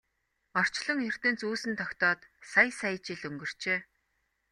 Орчлон ертөнц үүсэн тогтоод сая сая жил өнгөрчээ.